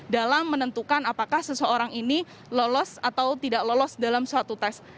dalam menentukan apakah seseorang ini lolos atau tidak lolos dalam suatu tes